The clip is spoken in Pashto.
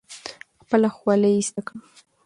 خپله خولۍ ایسته کړه.